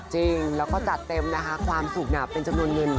จริงแล้วก็จัดเต็มนะคะความสุขเป็นจำนวนเงิน